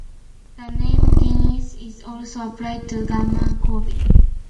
The name Gienah is also applied to Gamma Corvi.